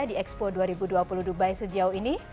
di expo dua ribu dua puluh dubai sejauh ini